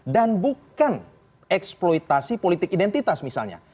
dan bukan eksploitasi politik identitas misalnya